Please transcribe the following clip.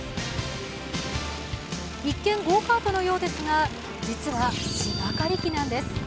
一見、ゴーカートのようですが実は、芝刈り機なんです。